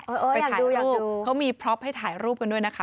ไปถ่ายรูปเขามีพล็อปให้ถ่ายรูปกันด้วยนะคะ